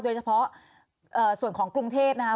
โดยเฉพาะส่วนของกรุงเทพนะคะ